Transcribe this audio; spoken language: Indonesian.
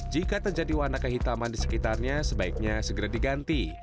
jika terjadi warna kehitaman di sekitarnya sebaiknya segera diganti